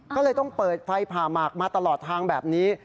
ก็เลยต้องเปิดไฟผ่าหมากมาตลอดทางแบบนี้